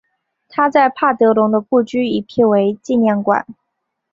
他在帕德龙的故居已辟为纪念馆。